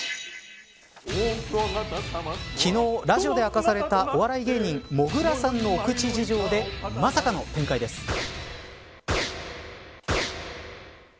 昨日、ラジオで明かされたお笑い芸人もぐらさんのお口事情でまさかの展開です。